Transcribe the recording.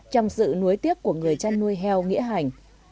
trong sự nuối tiếc của người chăn nuôi heo nghĩa hành